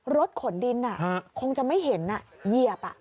รถขนดินคงจะไม่เห็นเหยียบ